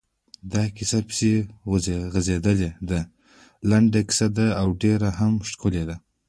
دا کیسه پسې غځېدلې ده، لنډه کیسه ده او ډېره هم ښکلې…